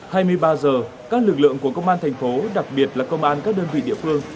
hai mươi ba giờ các lực lượng của công an thành phố đặc biệt là công an các đơn vị địa phương